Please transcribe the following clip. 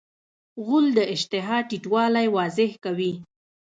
غول د اشتها ټیټوالی واضح کوي.